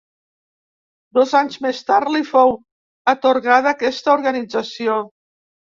Dos anys més tard li fou atorgada aquesta organització.